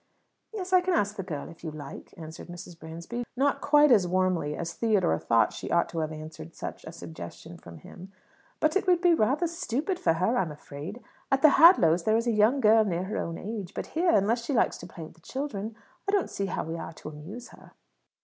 "Yes, I can ask the girl if you like," answered Mrs. Bransby, not quite as warmly as Theodore thought she ought to have answered such a suggestion from him; "but it will be rather stupid for her, I'm afraid. At the Hadlows' there is a young girl near her own age; but here, unless she likes to play with the children, I don't see how we are to amuse her."